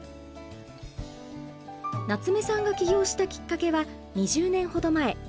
夏目さんが起業したきっかけは２０年ほど前。